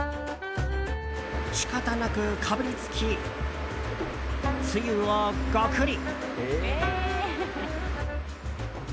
仕方なく、かぶりつきつゆをごくり。